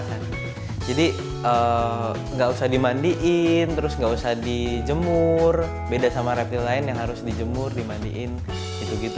jadi tidak usah dimandikan tidak usah dijemur beda dengan reptil lain yang harus dijemur dimandikan